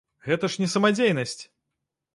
Гэта ж не самадзейнасць!